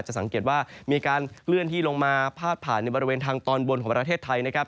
สังเกตว่ามีการเคลื่อนที่ลงมาพาดผ่านในบริเวณทางตอนบนของประเทศไทยนะครับ